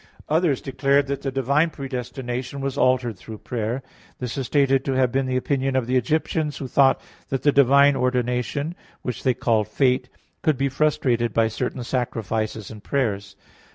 Others declared that the divine predestination was altered through prayer. This is stated to have the opinion of the Egyptians, who thought that the divine ordination, which they called fate, could be frustrated by certain sacrifices and prayers.